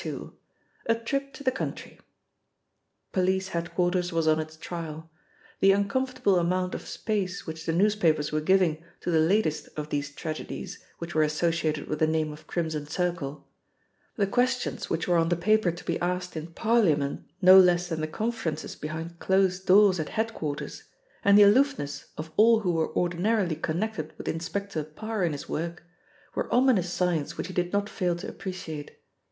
— A TRIP TO THE COUNTRY POLICE head quarters was on its trial. The uncomfortable amount of space which the newspapers were giving to the latest of these tragedies which were associated with the name of Crimson Circle, the questions which were on the paper to be asked in Parliament no less than the conferences behind closed doors at head quarters, and the aloofness of all who were ordinarily connected with Inspector Parr in his work, were ominous signs which he did not fail to appreciate.